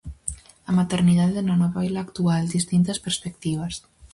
A maternidade na novela actual: distintas perspectivas.